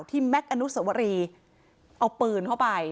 แม็กซ์อนุสวรีเอาปืนเข้าไป